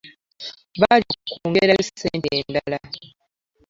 Baali ba kwongerayo ssente endala